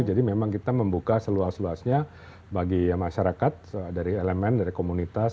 jadi memang kita membuka seluas luasnya bagi masyarakat dari elemen dari komunitas